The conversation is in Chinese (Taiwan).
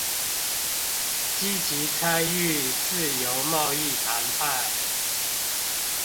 積極參與自由貿易談判